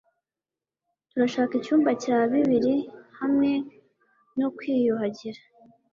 Turashaka icyumba cya bibiri hamwe no kwiyuhagira.